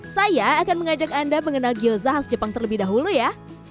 saya akan mengajak anda mengenal gyoza khas jepang terlebih dahulu ya